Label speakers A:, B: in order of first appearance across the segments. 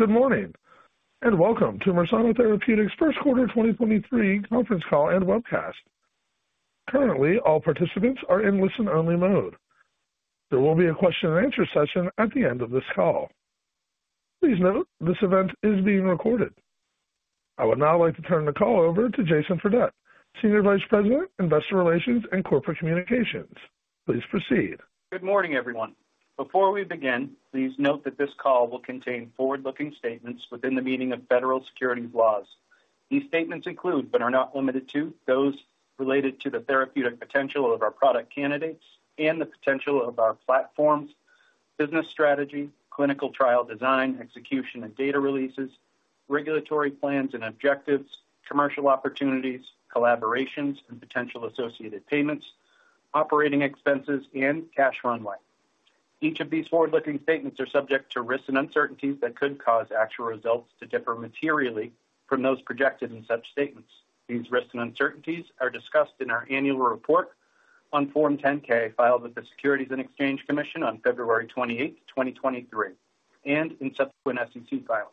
A: Good morning, welcome to Mersana Therapeutics' first quarter 2023 conference call and webcast. Currently, all participants are in listen-only mode. There will be a question and answer session at the end of this call. Please note this event is being recorded. I would now like to turn the call over to Jason Fredette, Senior Vice President, Investor Relations and Corporate Communications. Please proceed.
B: Good morning, everyone. Before we begin, please note that this call will contain forward-looking statements within the meaning of federal securities laws. These statements include, but are not limited to, those related to the therapeutic potential of our product candidates and the potential of our platforms, business strategy, clinical trial design, execution and data releases, regulatory plans and objectives, commercial opportunities, collaborations and potential associated payments, operating expenses and cash runway. Each of these forward-looking statements are subject to risks and uncertainties that could cause actual results to differ materially from those projected in such statements. These risks and uncertainties are discussed in our annual report on Form 10-K filed with the Securities and Exchange Commission on February 28, 2023, and in subsequent SEC filings.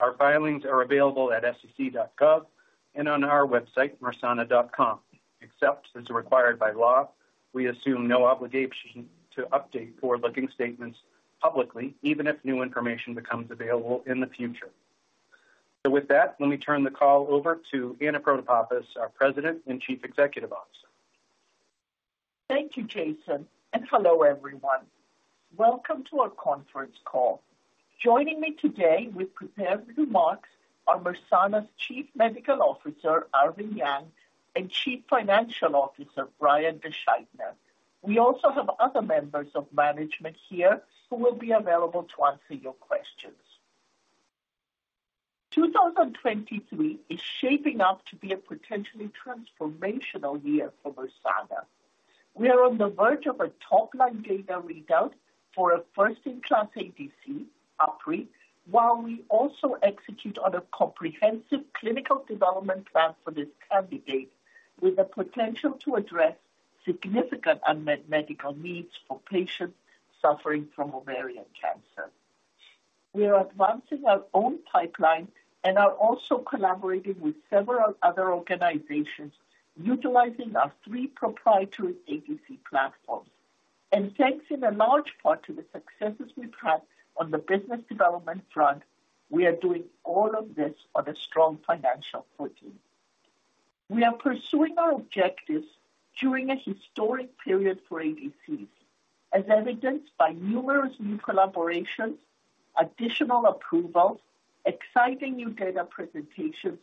B: Our filings are available at sec.gov and on our website, mersana.com. Except as required by law, we assume no obligation to update forward-looking statements publicly, even if new information becomes available in the future. With that, let me turn the call over to Anna Protopapas, our President and Chief Executive Officer.
C: Thank you, Jason. Hello everyone. Welcome to our conference call. Joining me today with prepared remarks are Mersana's Chief Medical Officer, Arvin Yang, and Chief Financial Officer, Brian DeSchuytner. We also have other members of management here who will be available to answer your questions. 2023 is shaping up to be a potentially transformational year for Mersana. We are on the verge of a top-line data readout for a first-in-class ADC, UpRi, while we also execute on a comprehensive clinical development plan for this candidate with the potential to address significant unmet medical needs for patients suffering from ovarian cancer. We are advancing our own pipeline and are also collaborating with several other organizations utilizing our three proprietary ADC platforms. Thanks in large part to the successes we've had on the business development front, we are doing all of this on a strong financial footing. We are pursuing our objectives during a historic period for ADCs, as evidenced by numerous new collaborations, additional approvals, exciting new data presentations,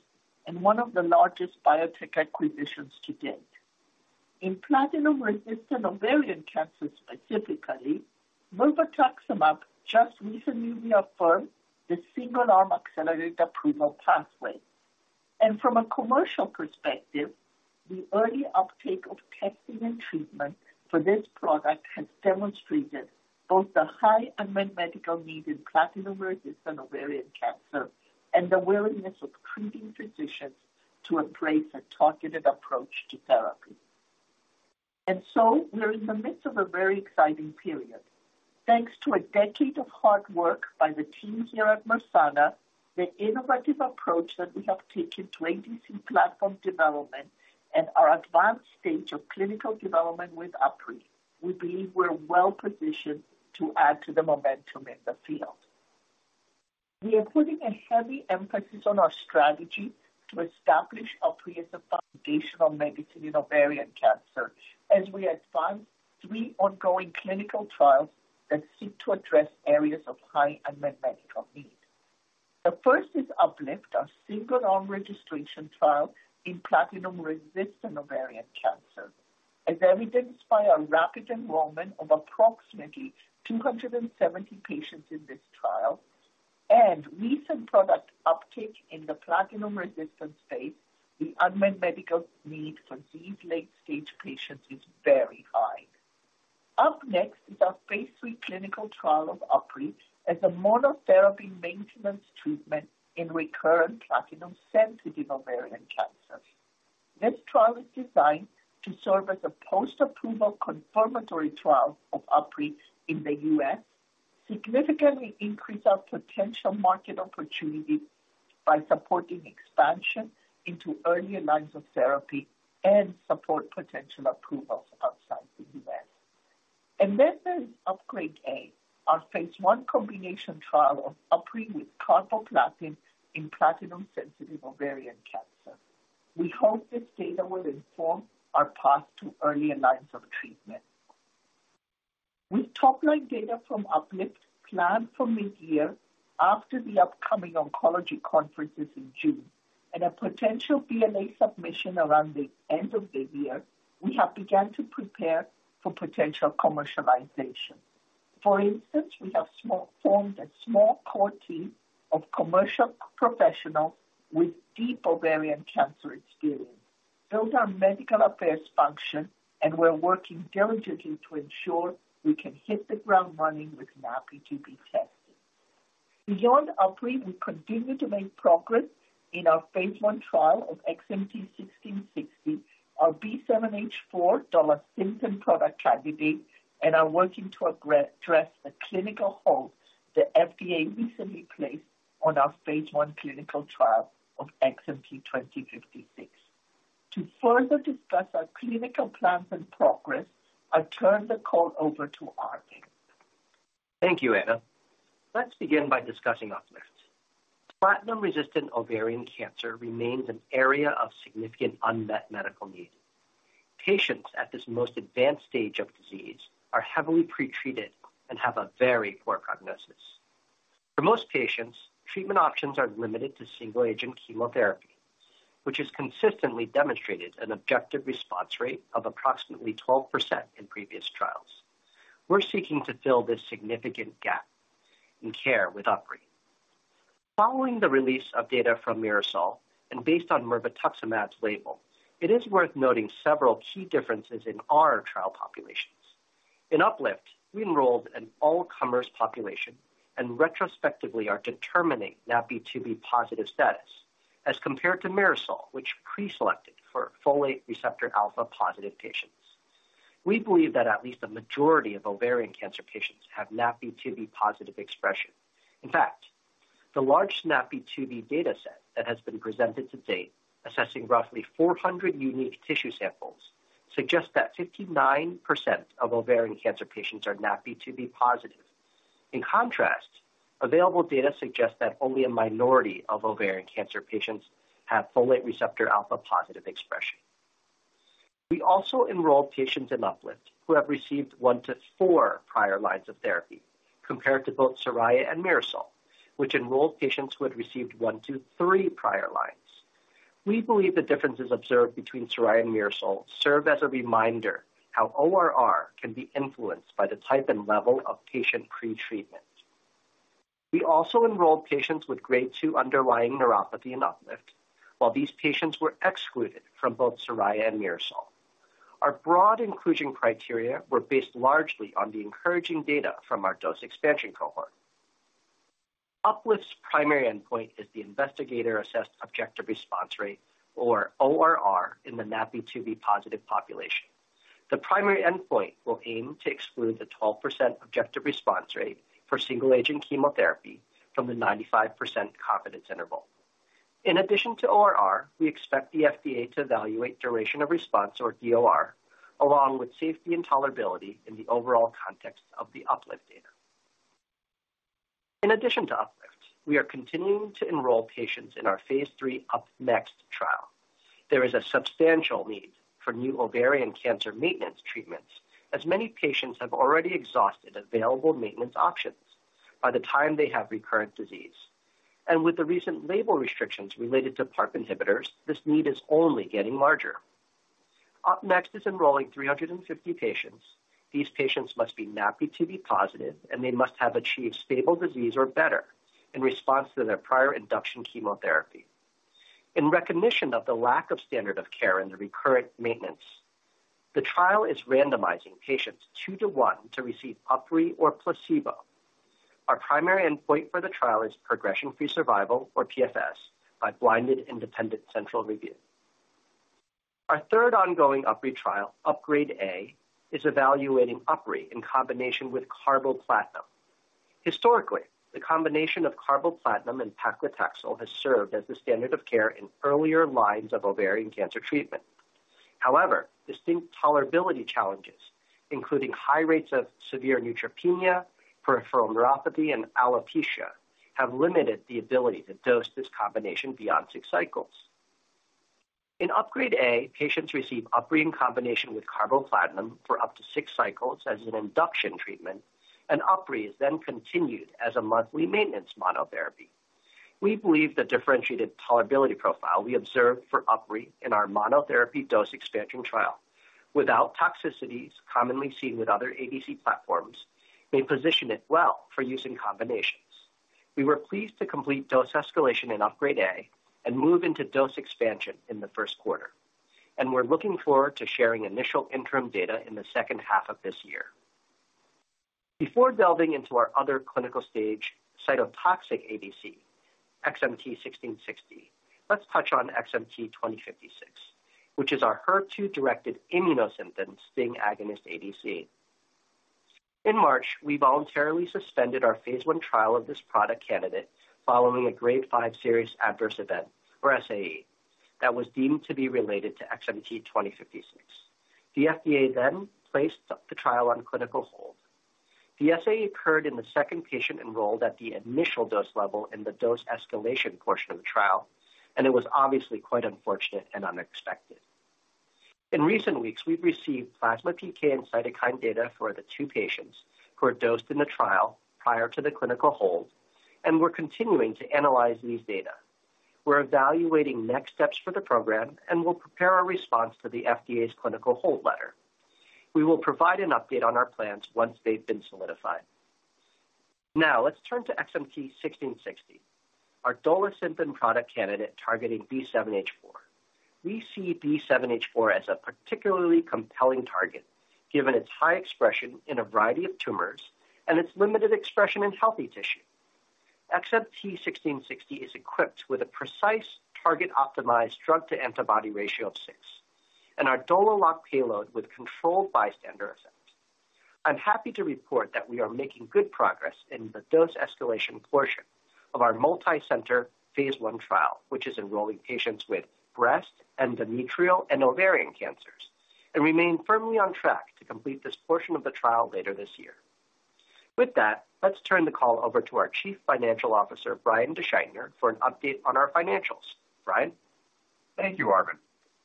C: and one of the largest biotech acquisitions to date. In platinum-resistant ovarian cancer specifically, mirvetuximab just recently reaffirmed the single-arm accelerated approval pathway. From a commercial perspective, the early uptake of testing and treatment for this product has demonstrated both the high unmet medical need in platinum-resistant ovarian cancer and the willingness of treating physicians to embrace a targeted approach to therapy. We are in the midst of a very exciting period. Thanks to a decade of hard work by the team here at Mersana, the innovative approach that we have taken to ADC platform development, and our advanced stage of clinical development with UpRi, we believe we're well-positioned to add to the momentum in the field. We are putting a heavy emphasis on our strategy to establish UpRi as a foundational medicine in ovarian cancer as we advance three ongoing clinical trials that seek to address areas of high unmet medical need. The first is UPLIFT, our single-arm registration trial in platinum-resistant ovarian cancer. As evidenced by our rapid enrollment of approximately 270 patients in this trial and recent product uptake in the platinum-resistant space, the unmet medical need for these late-stage patients is very high. UP-NEXT is our phase 3 clinical trial of UpRi as a monotherapy maintenance treatment in recurrent platinum-sensitive ovarian cancers. This trial is designed to serve as a post-approval confirmatory trial of UpRi in the U.S., significantly increase our potential market opportunity by supporting expansion into earlier lines of therapy and support potential approvals outside the U.S. There's UPGRADE-A, our Phase 1 combination trial of UpRi with carboplatin in platinum-sensitive ovarian cancer. We hope this data will inform our path to earlier lines of treatment. With top-line data from UPLIFT planned for mid-year after the upcoming oncology conferences in June and a potential BLA submission around the end of this year, we have begun to prepare for potential commercialization. For instance, we have formed a small core team of commercial professionals with deep ovarian cancer experience, built our medical affairs function, and we're working diligently to ensure we can hit the ground running with an RPD test. Beyond UpRi, we continue to make progress in our phase 1 trial of XMT-1660, our B7-H4 Dolasynthen product candidate, and are working to address the clinical hold the FDA recently placed on our phase 1 clinical trial of XMT-2056. To further discuss our clinical plans and progress, I turn the call over to Arvind.
D: Thank you, Anna. Let's begin by discussing UPLIFT. Platinum-resistant ovarian cancer remains an area of significant unmet medical need. Patients at this most advanced stage of disease are heavily pre-treated and have a very poor prognosis. For most patients, treatment options are limited to single-agent chemotherapy, which has consistently demonstrated an objective response rate of approximately 12% in previous trials. We're seeking to fill this significant gap in care with UpRi. Following the release of data from MIRASOL and based on mirvetuximab's label, it is worth noting several key differences in our trial populations. In UPLIFT, we enrolled an all-comers population and retrospectively are determining NaPi2b-positive status, as compared to MIRASOL, which preselected for folate receptor alpha-positive patients. We believe that at least the majority of ovarian cancer patients have NaPi2b-positive expression. In fact, the large NaPi2b data set that has been presented to date, assessing roughly 400 unique tissue samples, suggests that 59% of ovarian cancer patients are NaPi2b positive. In contrast, available data suggests that only a minority of ovarian cancer patients have folate receptor alpha-positive expression. We also enrolled patients in UPLIFT who have received 1-4 prior lines of therapy, compared to both SORAYA and MIRASOL, which enrolled patients who had received 1-3 prior lines. We believe the differences observed between SORAYA and MIRASOL serve as a reminder how ORR can be influenced by the type and level of patient pre-treatment. We also enrolled patients with grade 2 underlying neuropathy in UPLIFT, while these patients were excluded from both SORAYA and MIRASOL. Our broad inclusion criteria were based largely on the encouraging data from our dose expansion cohort. UPLIFT's primary endpoint is the investigator-assessed objective response rate, or ORR, in the NaPi2b-positive population. The primary endpoint will aim to exclude the 12% objective response rate for single-agent chemotherapy from the 95% confidence interval. In addition to ORR, we expect the FDA to evaluate duration of response, or DOR, along with safety and tolerability in the overall context of the UPLIFT data. In addition to UPLIFT, we are continuing to enroll patients in our Phase 3 UP-NEXT trial. There is a substantial need for new ovarian cancer maintenance treatments, as many patients have already exhausted available maintenance options by the time they have recurrent disease. With the recent label restrictions related to PARP inhibitors, this need is only getting larger. UP-NEXT is enrolling 350 patients. These patients must be NaPi2b positive, and they must have achieved stable disease or better in response to their prior induction chemotherapy. In recognition of the lack of standard of care in the recurrent maintenance, the trial is randomizing patients 2 to 1 to receive UpRi or placebo. Our primary endpoint for the trial is progression-free survival, or PFS, by blinded independent central review. Our third ongoing UpRi trial, UPGRADE-A, is evaluating UpRi in combination with carboplatin. Historically, the combination of carboplatin and paclitaxel has served as the standard of care in earlier lines of ovarian cancer treatment. However, distinct tolerability challenges, including high rates of severe neutropenia, peripheral neuropathy, and alopecia, have limited the ability to dose this combination beyond 6 cycles. In UPGRADE-A, patients receive UpRi in combination with carboplatin for up to 6 cycles as an induction treatment. UpRi is then continued as a monthly maintenance monotherapy. We believe the differentiated tolerability profile we observed for UpRi in our monotherapy dose expansion trial, without toxicities commonly seen with other ADC platforms, may position it well for use in combinations. We were pleased to complete dose escalation in UPGRADE-A and move into dose expansion in the first quarter. We're looking forward to sharing initial interim data in the second half of this year. Before delving into our other clinical stage cytotoxic ADC, XMT-1660, let's touch on XMT-2056, which is our HER2-directed Immunosynthen STING agonist ADC. In March, we voluntarily suspended our phase 1 trial of this product candidate following a grade 5 serious adverse event, or SAE, that was deemed to be related to XMT-2056. The FDA placed the trial on clinical hold. The SAE occurred in the second patient enrolled at the initial dose level in the dose escalation portion of the trial. It was obviously quite unfortunate and unexpected. In recent weeks, we've received plasma PK and cytokine data for the two patients who are dosed in the trial prior to the clinical hold. We're continuing to analyze these data. We're evaluating next steps for the program and will prepare a response to the FDA's clinical hold letter. We will provide an update on our plans once they've been solidified. Let's turn to XMT-1660, our Dolasynthen product candidate targeting B7H4. We see B7H4 as a particularly compelling target given its high expression in a variety of tumors and its limited expression in healthy tissue. XMT-1660 is equipped with a precise target-optimized drug to antibody ratio of 6 and our DolaLock payload with controlled bystander effects. I'm happy to report that we are making good progress in the dose escalation portion of our multi-center phase 1 trial, which is enrolling patients with breast, endometrial, and ovarian cancers, and remain firmly on track to complete this portion of the trial later this year. With that, let's turn the call over to our Chief Financial Officer, Brian DeSchuytner, for an update on our financials. Brian?
E: Thank you, Arvin.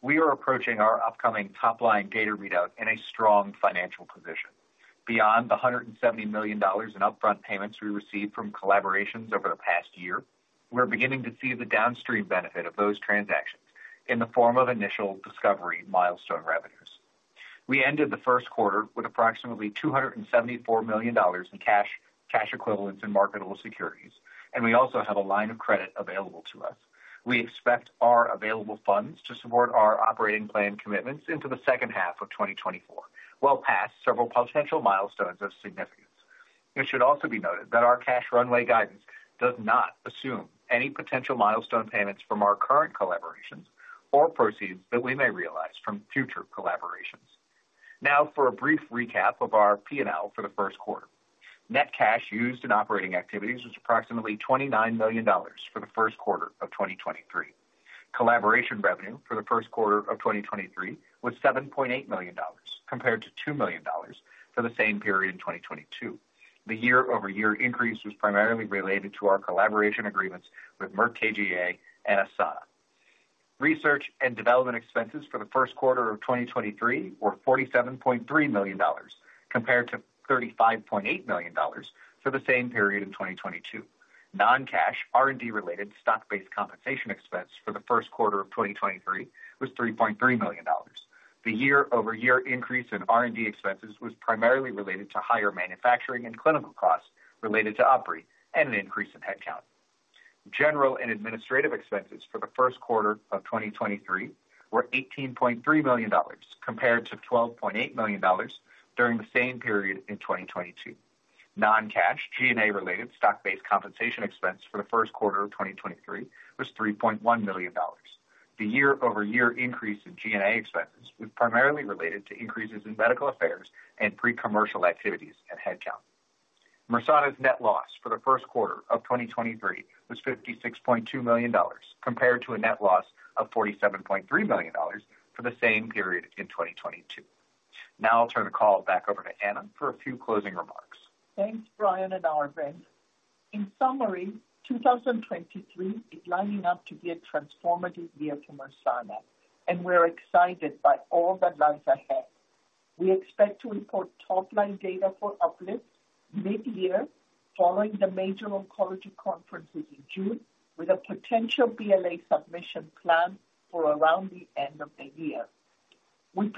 E: We are approaching our upcoming top-line data readout in a strong financial position. Beyond the $170 million in upfront payments we received from collaborations over the past year, we're beginning to see the downstream benefit of those transactions in the form of initial discovery milestone revenues. We ended the first quarter with approximately $274 million in cash equivalents, and marketable securities, and we also have a line of credit available to us. We expect our available funds to support our operating plan commitments into the second half of 2024, well past several potential milestones of significance. It should also be noted that our cash runway guidance does not assume any potential milestone payments from our current collaborations or proceeds that we may realize from future collaborations. Now for a brief recap of our PNL for the first quarter. Net cash used in operating activities was approximately $29 million for the first quarter of 2023. Collaboration revenue for the first quarter of 2023 was $7.8 million compared to $2 million for the same period in 2022. The year-over-year increase was primarily related to our collaboration agreements with Merck KGaA and Janssen. Research and development expenses for the first quarter of 2023 were $47.3 million, compared to $35.8 million for the same period in 2022. Non-cash R&D related stock-based compensation expense for the first quarter of 2023 was $3.3 million. The year-over-year increase in R&D expenses was primarily related to higher manufacturing and clinical costs related to UpRi and an increase in headcount. General and administrative expenses for the first quarter of 2023 were $18.3 million, compared to $12.8 million during the same period in 2022. Non-cash G&A related stock-based compensation expense for the first quarter of 2023 was $3.1 million. The year-over-year increase in G&A expenses was primarily related to increases in medical affairs and pre-commercial activities and headcount. Mersana's net loss for the first quarter of 2023 was $56.2 million, compared to a net loss of $47.3 million for the same period in 2022. I'll turn the call back over to Anna for a few closing remarks.
C: Thanks, Brian and Arvin Yang. In summary, 2023 is lining up to be a transformative year for Mersana, and we're excited by all that lies ahead. We expect to report top-line data for UPLIFT mid-year, following the major oncology conferences in June, with a potential BLA submission plan for around the end of the year. We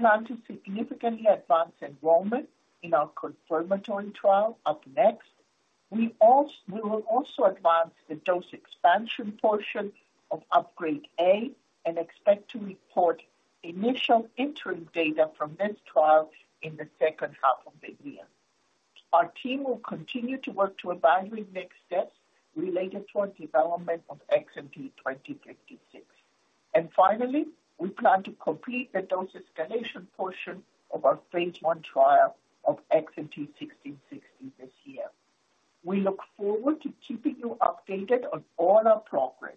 C: will also advance the dose expansion portion of UPGRADE-A and expect to report initial interim data from this trial in the second half of the year. Our team will continue to work to evaluate next steps related to our development of XMT-2056. Finally, we plan to complete the dose escalation portion of our phase 1 trial of XMT-1660 this year. We look forward to keeping you updated on all our progress.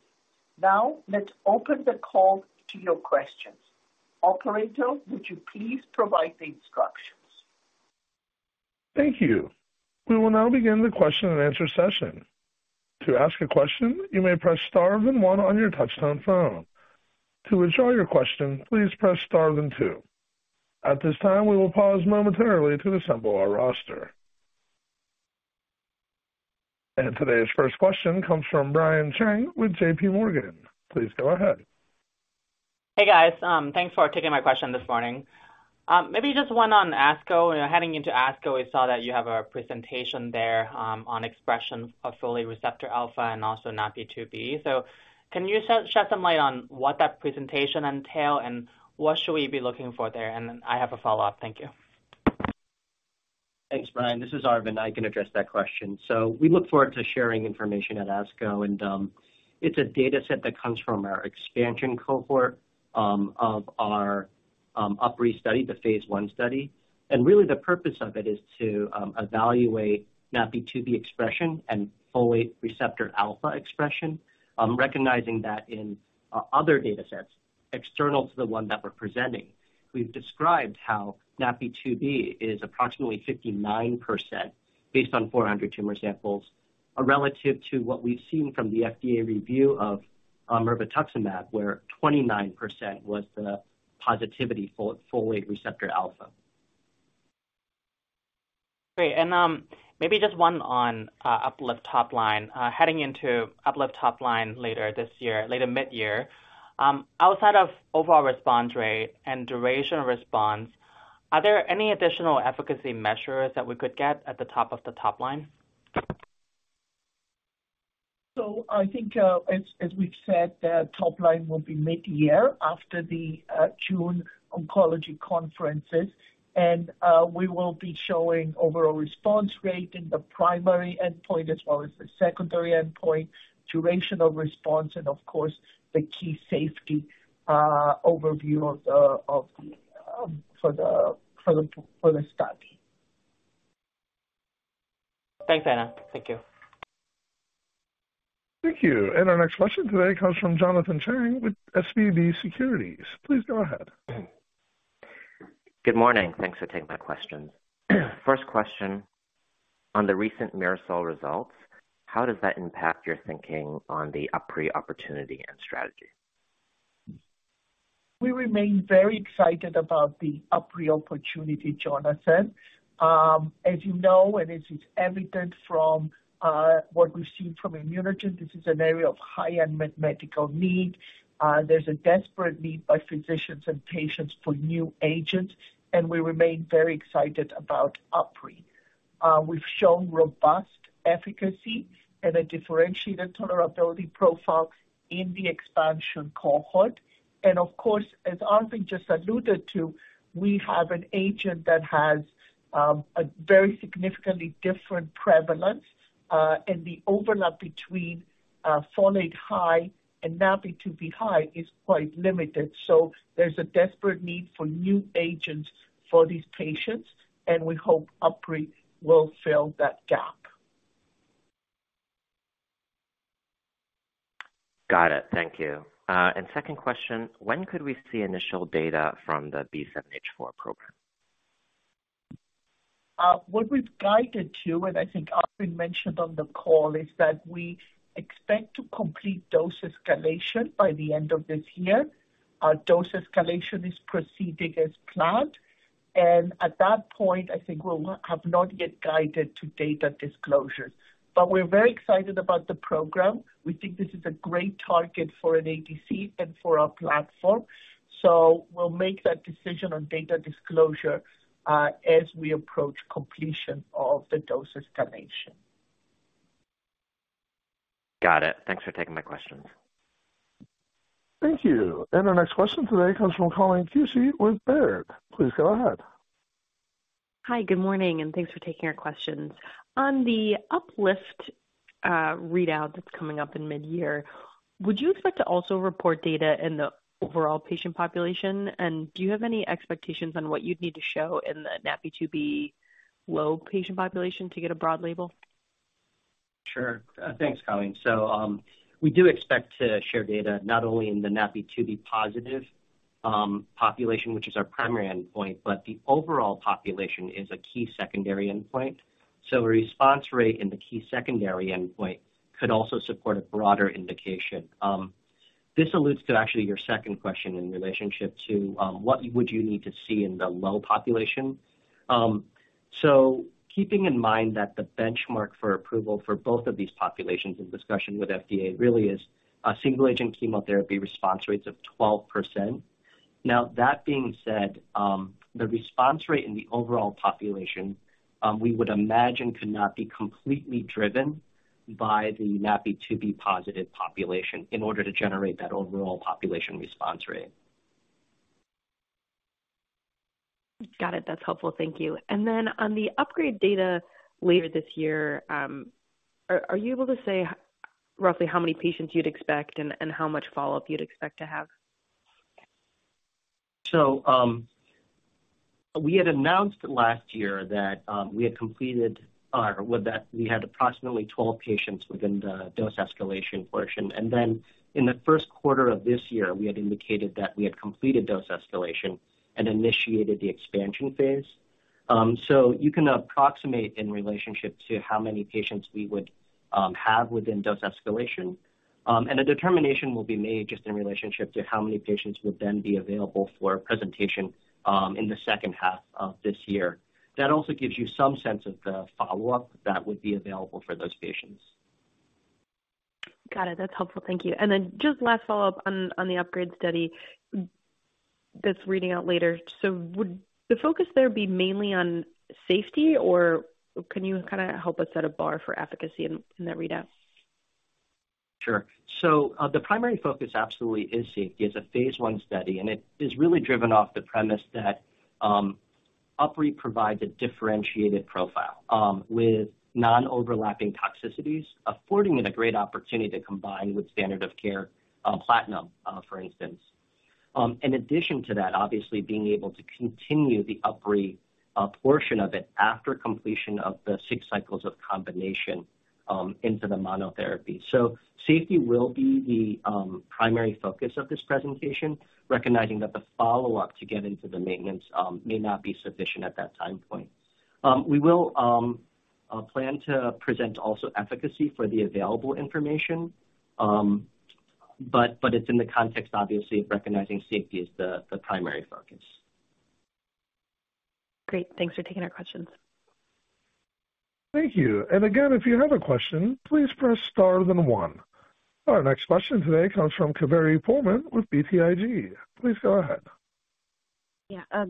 C: Now, let's open the call to your questions. Operator, would you please provide the instructions?
A: Thank you. We will now begin the question and answer session. To ask a question, you may press star then one on your touchtone phone. To withdraw your question, please press star then two. At this time, we will pause momentarily to assemble our roster. Today's first question comes from Brian Cheng with J.P. Morgan. Please go ahead.
F: Hey, guys. Thanks for taking my question this morning. Maybe just one on ASCO. You know, heading into ASCO, we saw that you have a presentation there, on expressions of folate receptor alpha and also NaPi2b. Can you shed some light on what that presentation entail, and what should we be looking for there? I have a follow-up. Thank you.
D: Thanks, Brian. This is Arvin. I can address that question. We look forward to sharing information at ASCO. It's a data set that comes from our expansion cohort of our UpRi study, the phase 1 study. Really the purpose of it is to evaluate NaPi2b expression and folate receptor alpha expression. Recognizing that in other data sets external to the one that we're presenting, we've described how NaPi2b is approximately 59% based on 400 tumor samples, relative to what we've seen from the FDA review of mirvetuximab, where 29% was the positivity for folate receptor alpha.
F: Great. Maybe just one on UPLIFT top line. Heading into UPLIFT top line later this year, later mid-year. Outside of overall response rate and duration response, are there any additional efficacy measures that we could get at the top of the top line?
C: I think, as we've said, the top line will be mid-year after the June oncology conferences, we will be showing overall response rate in the primary endpoint as well as the secondary endpoint, duration of response, and of course, the key safety overview of the study.
D: Thanks, Anna. Thank you.
A: Thank you. Our next question today comes from Jonathan Chang with SVB Securities. Please go ahead.
G: Good morning. Thanks for taking my questions. First question, on the recent MIRASOL results, how does that impact your thinking on the UpRi opportunity and strategy?
C: We remain very excited about the UpRi opportunity, Jonathan. As you know, and as is evident from, what we've seen from ImmunoGen, this is an area of high unmet medical need. There's a desperate need by physicians and patients for new agents, and we remain very excited about UpRi. We've shown robust efficacy and a differentiated tolerability profile in the expansion cohort. Of course, as Arvind just alluded to, we have an agent that has a very significantly different prevalence, and the overlap between folate high and NaPi2b high is quite limited. There's a desperate need for new agents for these patients, and we hope UpRi will fill that gap.
G: Got it. Thank you. Second question, when could we see initial data from the B7H4 program?
C: What we've guided to, and I think Arvind mentioned on the call, is that we expect to complete dose escalation by the end of this year. Our dose escalation is proceeding as planned. At that point, I think we'll have not yet guided to data disclosure. We're very excited about the program. We think this is a great target for an ADC and for our platform. We'll make that decision on data disclosure as we approach completion of the dose escalation.
G: Got it. Thanks for taking my questions.
A: Thank you. Our next question today comes from Colleen Kusy with Baird. Please go ahead.
H: Hi, good morning, and thanks for taking our questions. On the UPLIFT readout that's coming up in mid-year, would you expect to also report data in the overall patient population? Do you have any expectations on what you'd need to show in the NaPi2b low patient population to get a broad label?
D: Sure. Thanks, Colleen. We do expect to share data not only in the NaPi2b positive population, which is our primary endpoint, but the overall population is a key secondary endpoint. A response rate in the key secondary endpoint could also support a broader indication. This alludes to actually your second question in relationship to what would you need to see in the low population. Keeping in mind that the benchmark for approval for both of these populations in discussion with FDA really is a single agent chemotherapy response rates of 12%. Now, that being said, the response rate in the overall population, we would imagine could not be completely driven by the NaPi2b positive population in order to generate that overall population response rate.
H: Got it. That's helpful. Thank you. Then on the UPGRADE-A data later this year, are you able to say roughly how many patients you'd expect and how much follow-up you'd expect to have?
D: We had announced last year that we had completed or that we had approximately 12 patients within the dose escalation portion. In the 1st quarter of this year, we had indicated that we had completed dose escalation and initiated the expansion phase. You can approximate in relationship to how many patients we would have within dose escalation. A determination will be made just in relationship to how many patients would then be available for presentation in the 2nd half of this year. That also gives you some sense of the follow-up that would be available for those patients.
H: Got it. That's helpful. Thank you. Just last follow-up on the UPGRADE study that's reading out later. Would the focus there be mainly on safety, or can you kind of help us set a bar for efficacy in that readout?
D: Sure. The primary focus absolutely is safety. It's a phase 1 study, it is really driven off the premise that UpRi provides a differentiated profile with non-overlapping toxicities, affording it a great opportunity to combine with standard of care platinum, for instance. In addition to that, obviously being able to continue the UpRi portion of it after completion of the 6 cycles of combination into the monotherapy. Safety will be the primary focus of this presentation, recognizing that the follow-up to get into the maintenance may not be sufficient at that time point. We will plan to present also efficacy for the available information. But it's in the context, obviously, of recognizing safety as the primary focus.
H: Great. Thanks for taking our questions.
A: Thank you. Again, if you have a question, please press star then one. Our next question today comes from Kaveri Pohlman with BTIG. Please go ahead.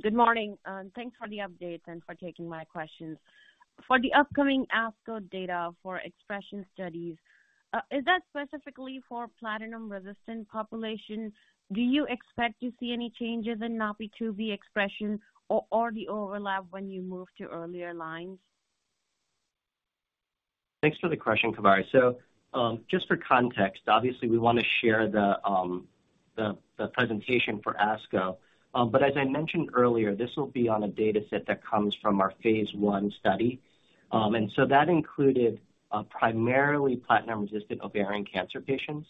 I: Good morning, and thanks for the updates and for taking my questions. For the upcoming ASCO data for expression studies, is that specifically for platinum-resistant population? Do you expect to see any changes in NaPi2b expression or the overlap when you move to earlier lines?
D: Thanks for the question, Kaveri. Just for context, obviously we want to share the presentation for ASCO. As I mentioned earlier, this will be on a data set that comes from our Phase 1 study. That included primarily platinum-resistant ovarian cancer patients.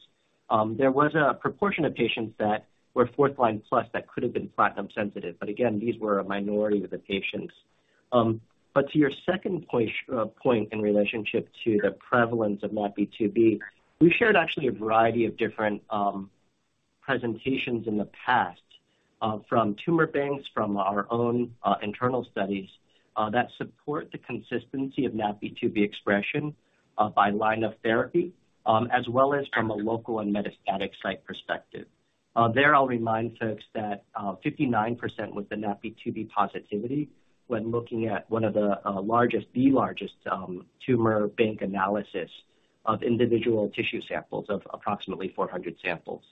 D: There was a proportion of patients that were 4th line plus that could have been platinum sensitive, but again, these were a minority of the patients. To your second point in relationship to the prevalence of NaPi2b, we shared actually a variety of different presentations in the past, from tumor banks, from our own internal studies, that support the consistency of NaPi2b expression by line of therapy, as well as from a local and metastatic site perspective. There, I'll remind folks that, 59% with the NaPi2b positivity when looking at the largest tumor bank analysis of individual tissue samples of approximately 400 samples.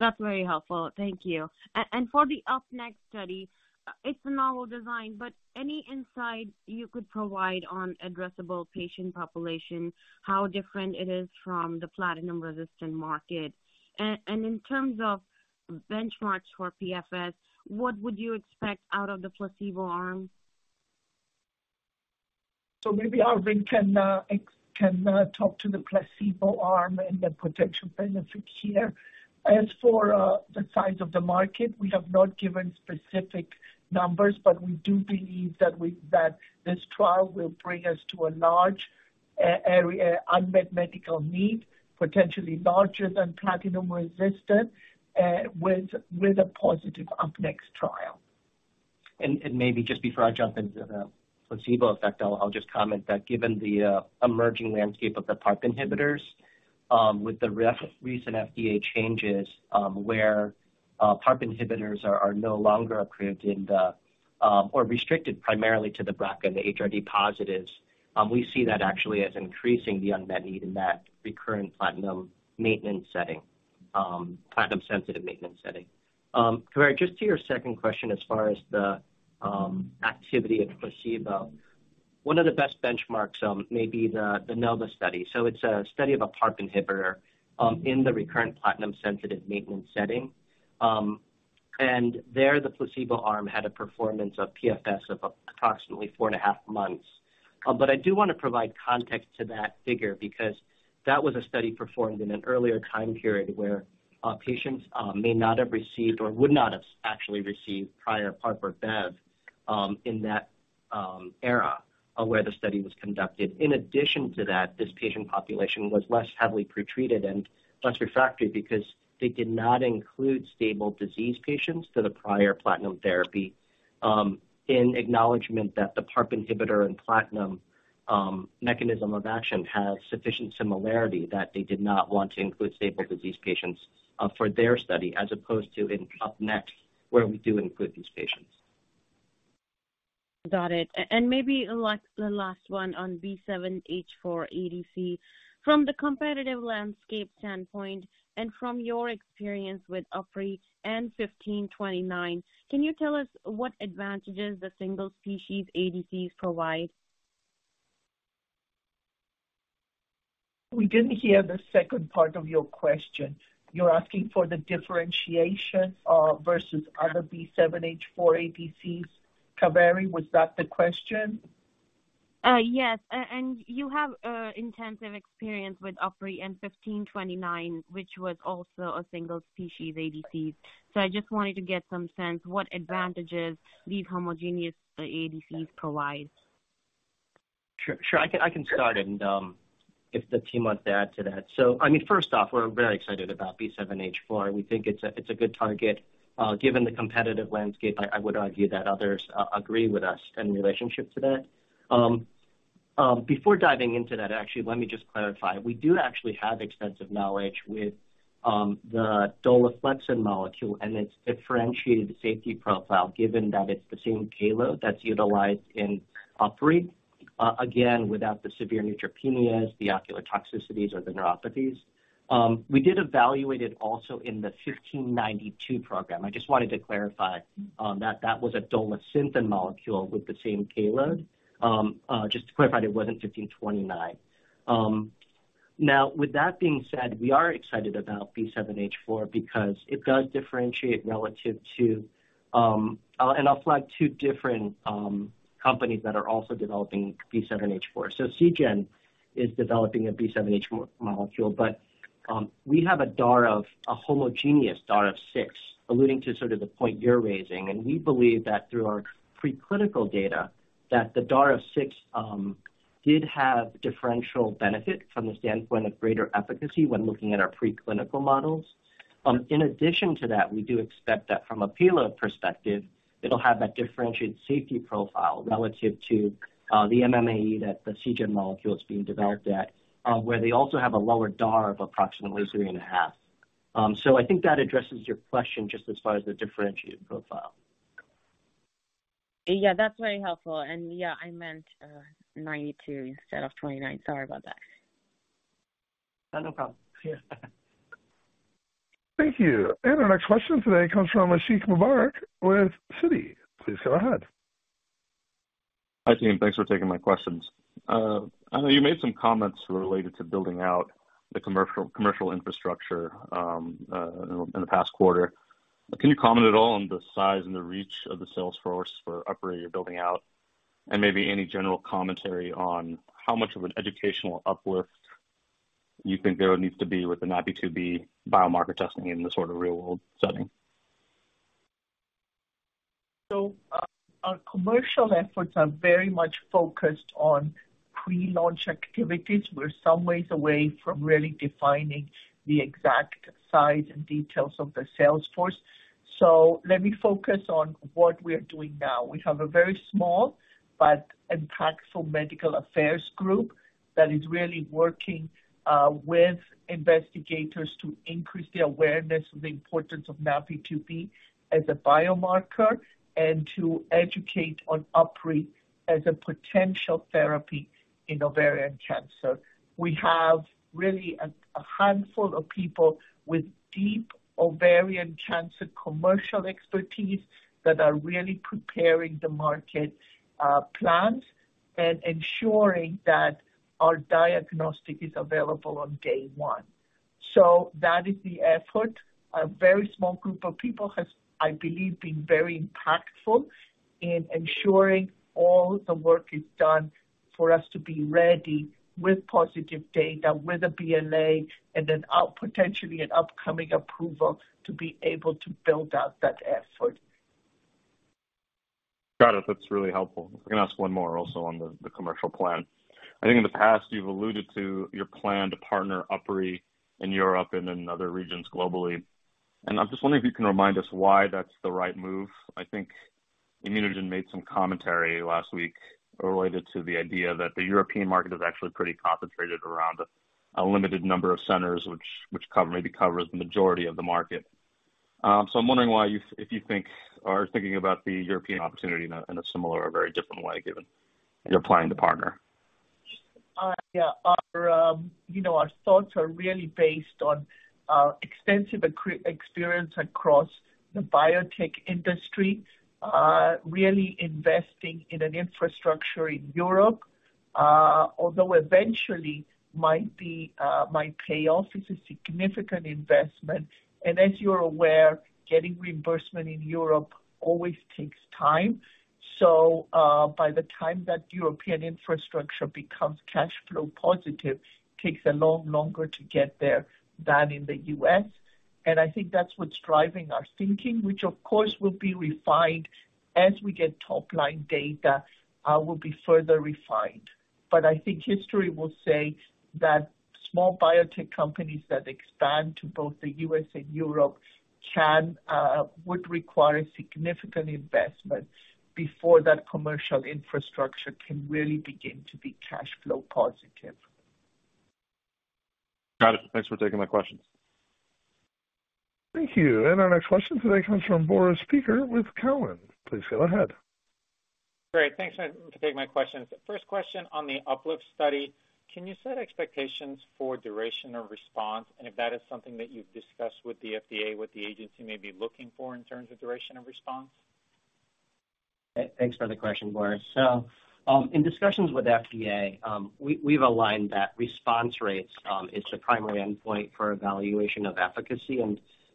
I: That's very helpful. Thank you. For the UP-NEXT study, it's a novel design, but any insight you could provide on addressable patient population, how different it is from the platinum-resistant market. In terms of benchmarks for PFS, what would you expect out of the placebo arm?
C: Maybe Arvin can talk to the placebo arm and the potential benefit here. As for the size of the market, we have not given specific numbers, but we do believe that this trial will bring us to a large area, unmet medical need, potentially larger than platinum-resistant, with a positive UP-NEXT trial.
D: Maybe just before I jump into the placebo effect, I'll just comment that given the emerging landscape of the PARP inhibitors, with the recent FDA changes, where PARP inhibitors are no longer approved in the or restricted primarily to the BRCA and the HRD positives, we see that actually as increasing the unmet need in that recurrent platinum maintenance setting, platinum sensitive maintenance setting. Kaveri, just to your second question, as far as the activity of placebo, one of the best benchmarks may be the NOVA study. It's a study of a PARP inhibitor in the recurrent platinum sensitive maintenance setting. There, the placebo arm had a performance of PFS of approximately 4 and a half months. I do wanna provide context to that figure because that was a study performed in an earlier time period where patients may not have received or would not have actually received prior PARP inhibit in that era of where the study was conducted. In addition to that, this patient population was less heavily pretreated and less refractory because they did not include stable disease patients to the prior platinum therapy in acknowledgement that the PARP inhibitor and platinum mechanism of action has sufficient similarity that they did not want to include stable disease patients for their study as opposed to in UP-NEXT, where we do include these patients.
I: Got it. Maybe like the last one on B7H4 ADC. From the competitive landscape standpoint and from your experience with UpRi and 1592, can you tell us what advantages the single species ADCs provide?
C: We didn't hear the second part of your question. You're asking for the differentiation, versus other B7H4 ADCs. Kaveri, was that the question?
I: Yes. You have intensive experience with UpRi and XMT-1592, which was also a single species ADCs. I just wanted to get some sense what advantages these homogeneous ADCs provide.
D: Sure. Sure. I can start, and if the team wants to add to that. I mean, first off, we're very excited about B7-H4. We think it's a good target. Given the competitive landscape, I would argue that others agree with us in relationship to that. Before diving into that, actually, let me just clarify. We do actually have extensive knowledge with the Dolaflexin molecule and its differentiated safety profile, given that it's the same payload that's utilized in UpRi, again, without the severe neutropenias, the ocular toxicities or the neuropathies. We did evaluate it also in the XMT-1592 program. I just wanted to clarify that was a Dolasynthen molecule with the same payload. Just to clarify, it wasn't 1529. Now with that being said, we are excited about B7H4 because it does differentiate relative to, and I'll flag 2 different companies that are also developing B7H4. Seagen is developing a B7H4 molecule, but we have a homogeneous DAR of 6, alluding to sort of the point you're raising. We believe that through our preclinical data, that the DAR of 6 did have differential benefit from the standpoint of greater efficacy when looking at our preclinical models. In addition to that, we do expect that from a payload perspective, it'll have that differentiated safety profile relative to the MMAE that the Seagen molecule is being developed at, where they also have a lower DAR of approximately 3.5. I think that addresses your question just as far as the differentiated profile. Yeah, that's very helpful. Yeah, I meant, 92 instead of 29. Sorry about that.
C: No, no problem. Yeah.
A: Thank you. Our next question today comes from Ashiq Mubarack with Citi. Please go ahead.
J: Hi team. Thanks for taking my questions. Anna, you made some comments related to building out the commercial infrastructure in the past quarter. Can you comment at all on the size and the reach of the sales force for UpRi you're building out? Maybe any general commentary on how much of an educational uplift you think there needs to be with the NaPi2b biomarker testing in the sort of real world setting?
C: Our commercial efforts are very much focused on pre-launch activities. We're some ways away from really defining the exact size and details of the sales force. Let me focus on what we are doing now. We have a very small but impactful medical affairs group that is really working with investigators to increase the awareness of the importance of NaPi2b as a biomarker and to educate on UpRi as a potential therapy in ovarian cancer. We have really a handful of people with deep ovarian cancer commercial expertise that are really preparing the market plans and ensuring that our diagnostic is available on day one. That is the effort. A very small group of people has, I believe, been very impactful in ensuring all the work is done for us to be ready with positive data with a BLA and then out potentially an upcoming approval to be able to build out that effort.
J: Got it. That's really helpful. I'm gonna ask one more also on the commercial plan. I think in the past you've alluded to your plan to partner UpRi in Europe and in other regions globally, and I'm just wondering if you can remind us why that's the right move. I think ImmunoGen made some commentary last week related to the idea that the European market is actually pretty concentrated around a limited number of centers which maybe covers the majority of the market. I'm wondering why you if you think are thinking about the European opportunity in a, in a similar or very different way given you're planning to partner?
C: Yeah. Our, you know, our thoughts are really based on extensive experience across the biotech industry, really investing in an infrastructure in Europe, although eventually might be might pay off. It's a significant investment and as you're aware, getting reimbursement in Europe always takes time. By the time that European infrastructure becomes cash flow positive, takes a lot longer to get there than in the U.S. I think that's what's driving our thinking, which of course will be refined as we get top-line data, will be further refined. I think history will say that small biotech companies that expand to both the U.S. and Europe can would require significant investment before that commercial infrastructure can really begin to be cash flow positive.
J: Got it. Thanks for taking my questions.
A: Thank you. Our next question today comes from Boris Peaker with Cowen. Please go ahead.
K: Great. Thanks for taking my questions. First question on the UPLIFT study, can you set expectations for duration of response and if that is something that you've discussed with the FDA, what the agency may be looking for in terms of duration of response?
D: Thanks for the question, Boris. In discussions with FDA, we've aligned that response rates is the primary endpoint for evaluation of efficacy.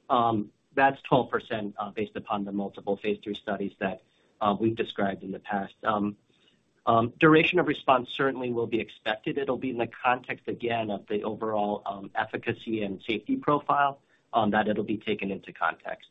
D: That's 12%, based upon the multiple phase 3 studies that we've described in the past. Duration of response certainly will be expected. It'll be in the context again of the overall efficacy and safety profile that it'll be taken into context.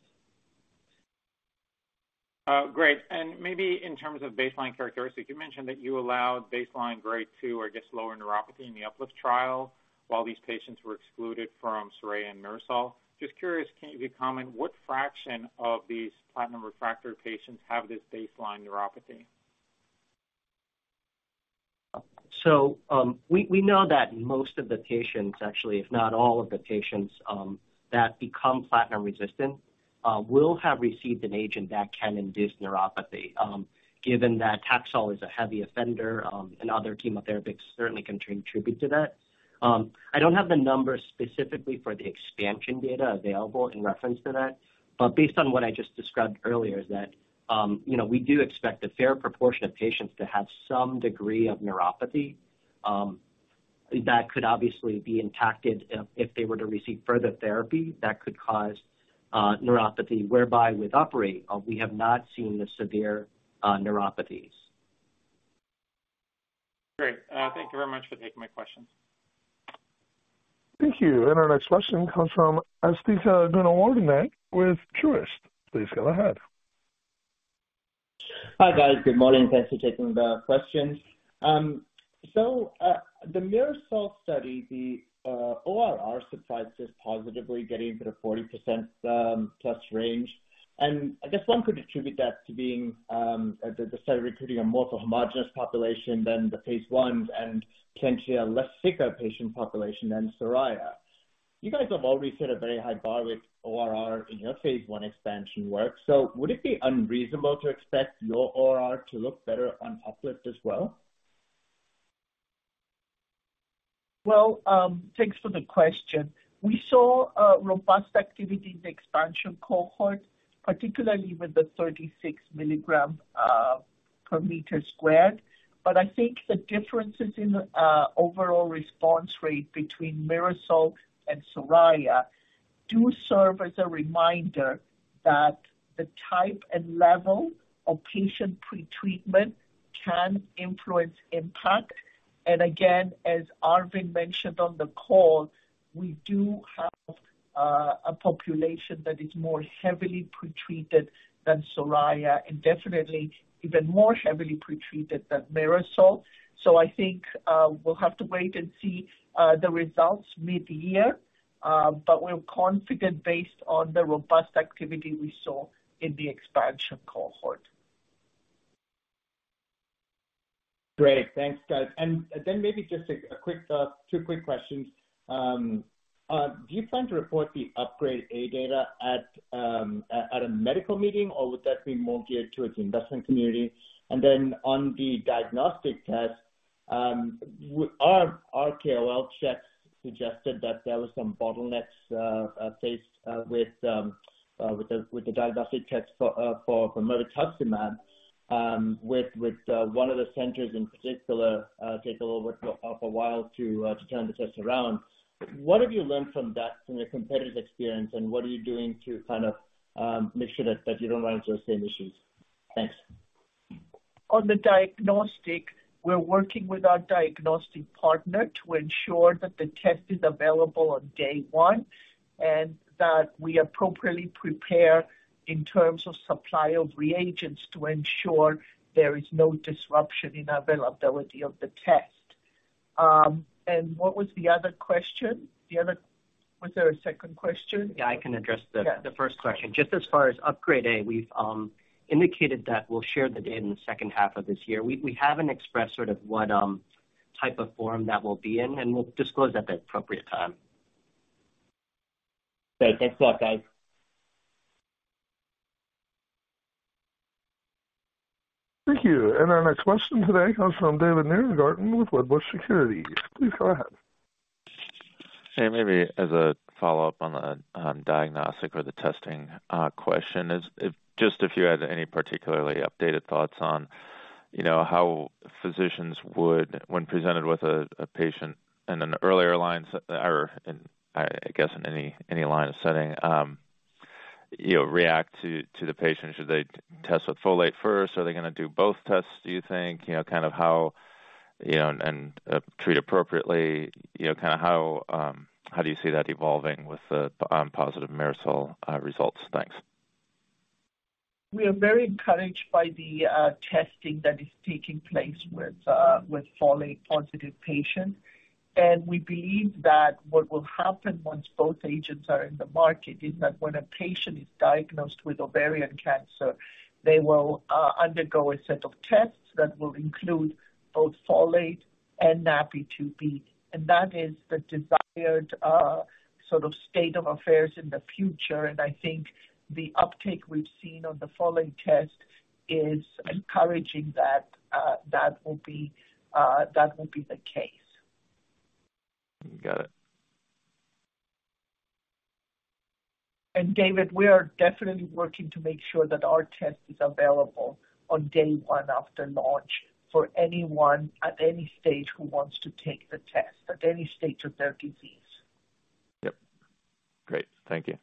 K: Great. Maybe in terms of baseline characteristics, you mentioned that you allowed baseline grade 2 or I guess lower neuropathy in the UPLIFT trial while these patients were excluded from SORAYA and MIRASOL. Just curious, can you comment what fraction of these platinum-refractory patients have this baseline neuropathy?
D: We know that most of the patients actually, if not all of the patients, that become platinum-resistant, will have received an agent that can induce neuropathy. Given that Taxol is a heavy offender and other chemotherapeutics certainly can contribute to that. I don't have the numbers specifically for the expansion data available in reference to that. Based on what I just described earlier is that, you know, we do expect a fair proportion of patients to have some degree of neuropathy that could obviously be impacted if they were to receive further therapy that could cause neuropathy, whereby with UpRi we have not seen the severe neuropathies.
K: Great. Thank you very much for taking my questions.
A: Thank you. Our next question comes from Asthika Goonewardene with Truist. Please go ahead.
L: Hi, guys. Good morning. Thanks for taking the questions. The MIRASOL study, the ORR surprised us positively getting to the 40% plus range. I guess one could attribute that to being as the study recruiting a more homogenous population than the phase 1s and potentially a less sicker patient population than SORAYA. You guys have already set a very high bar with ORR in your phase 1 expansion work. Would it be unreasonable to expect your ORR to look better on UPLIFT as well?
C: Well, thanks for the question. We saw a robust activity in the expansion cohort, particularly with the 36 milligram per meter squared. I think the differences in overall response rate between MIRASOL and SORAYA do serve as a reminder that the type and level of patient pretreatment can influence impact. Again, as Arvind mentioned on the call, we do have a population that is more heavily pretreated than SORAYA and definitely even more heavily pretreated than MIRASOL. I think we'll have to wait and see the results mid-year. We're confident based on the robust activity we saw in the expansion cohort.
F: Great. Thanks, guys. Maybe just 2 quick questions. Do you plan to report the UPGRADE-A data at a medical meeting, or would that be more geared towards the investment community? On the diagnostic test, our KOL checks suggested that there was some bottlenecks faced with the diagnostic checks for mirvetuximab, with one of the centers in particular, take a little over for a while to turn the tests around. What have you learned from that from your competitors' experience, and what are you doing to kind of make sure that you don't run into the same issues? Thanks.
C: On the diagnostic, we're working with our diagnostic partner to ensure that the test is available on day 1, and that we appropriately prepare in terms of supply of reagents to ensure there is no disruption in availability of the test. What was the other question? Was there a second question?
D: Yeah, I can address.
C: Yeah.
D: The first question. Just as far as UPGRADE-A, we've indicated that we'll share the data in the second half of this year. We haven't expressed sort of what type of form that will be in. We'll disclose that at the appropriate time.
F: Great. Thanks a lot, guys.
A: Thank you. Our next question today comes from David Nierengarten with Wedbush Securities. Please go ahead.
M: Hey, maybe as a follow-up on the diagnostic or the testing question is just if you had any particularly updated thoughts on, you know, how physicians would when presented with a patient in an earlier line or in, I guess, in any line of setting, you know, react to the patient. Should they test with folate first? Are they gonna do both tests, do you think? You know, kind of how, you know, and treat appropriately, you know, kinda how do you see that evolving with the positive MIRASOL results? Thanks.
C: We are very encouraged by the testing that is taking place with folate positive patients. We believe that what will happen once both agents are in the market is that when a patient is diagnosed with ovarian cancer, they will undergo a set of tests that will include both folate and NaPi2b. That is the desired sort of state of affairs in the future. I think the uptake we've seen on the folate test is encouraging that will be the case.
M: Got it.
C: David, we are definitely working to make sure that our test is available on day 1 after launch for anyone at any stage who wants to take the test, at any stage of their disease.
M: Yep. Great. Thank you.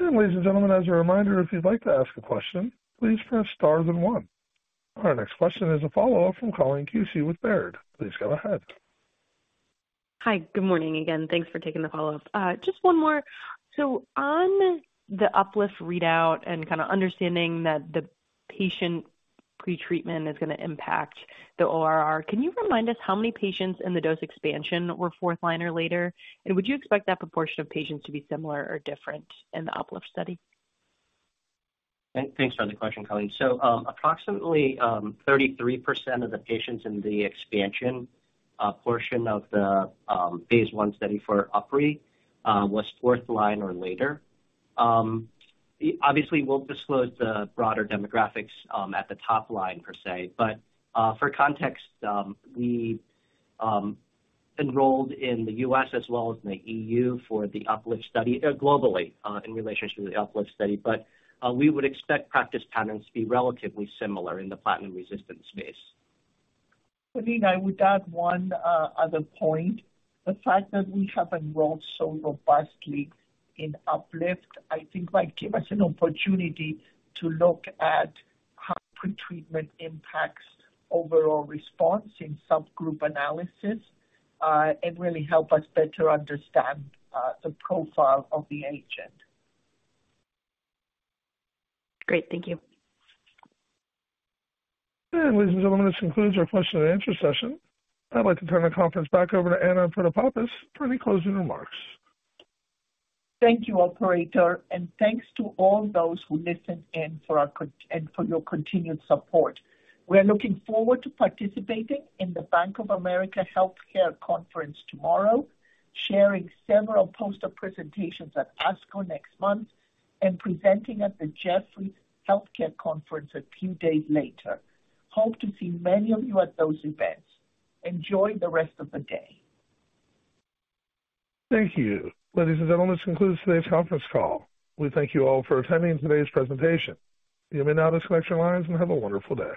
A: Ladies and gentlemen, as a reminder, if you'd like to ask a question, please press Star then 1. Our next question is a follow-up from Colleen Kusy with Baird. Please go ahead.
F: Hi. Good morning again. Thanks for taking the follow-up. Just one more. On the UPLIFT readout and kinda understanding that the patient pretreatment is gonna impact the ORR, can you remind us how many patients in the dose expansion were fourth line or later? Would you expect that proportion of patients to be similar or different in the UPLIFT study?
D: Thanks for the question, Colleen. Approximately, 33% of the patients in the expansion portion of the Phase 1 study for UpRi was 4th line or later. Obviously, we'll disclose the broader demographics at the top line per se. For context, we enrolled in the U.S. as well as in the EU for the UPLIFT study, globally, in relation to the UPLIFT study. We would expect practice patterns to be relatively similar in the platinum-resistant space.
C: Colleen, I would add one other point. The fact that we have enrolled so robustly in UPLIFT, I think might give us an opportunity to look at how pretreatment impacts overall response in subgroup analysis, and really help us better understand the profile of the agent.
N: Great. Thank you.
A: ladies and gentlemen, this concludes our question and answer session. I'd like to turn the conference back over to Anna Protopapas for any closing remarks.
C: Thank you, operator. Thanks to all those who listened in and for your continued support. We are looking forward to participating in the Bank of America Healthcare Conference tomorrow, sharing several poster presentations at ASCO next month, and presenting at the Jefferies Healthcare Conference a few days later. Hope to see many of you at those events. Enjoy the rest of the day.
A: Thank you. Ladies and gentlemen, this concludes today's conference call. We thank you all for attending today's presentation. You may now disconnect your lines and have a wonderful day.